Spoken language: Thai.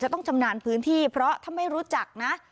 ต้องชำนาญพื้นที่เพราะถ้าไม่รู้จักนะ